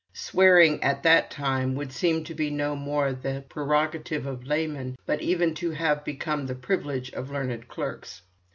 Swearing, at that time, would seem to be no longer the prerogative of laymen, but even to have become the privilege of learned clerks.